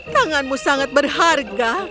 tanganmu sangat berharga